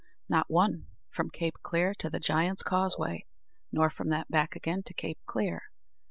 Not one, from Cape Clear to the Giant's Causeway, nor from that back again to Cape Clear.